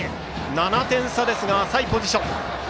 ７点差ですが浅いポジション。